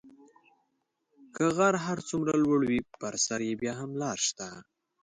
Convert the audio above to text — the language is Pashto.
که غر هر څومره لوړ وي په سر یې بیا هم لاره شته .